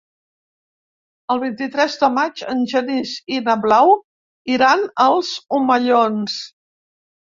El vint-i-tres de maig en Genís i na Blau iran als Omellons.